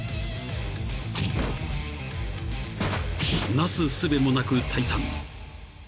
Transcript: ［なすすべもなく退散］